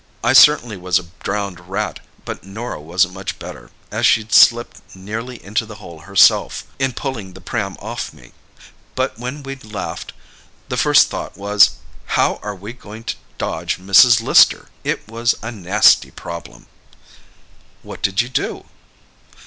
I certainly was a drowned rat, but Norah wasn't much better, as she'd slipped nearly into the hole herself, in pulling the pram off me. But when we'd laughed, the first thought was—'How are we going to dodge Mrs. Lister!' It was a nasty problem!" "What did you do?"